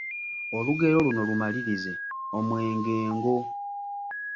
Olugero luno lumalirize: Omwenge ngo, ….